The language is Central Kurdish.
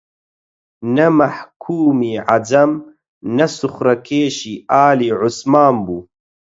نە مەحکوومی عەجەم نە سوخرەکێشی ئالی عوسمان بوو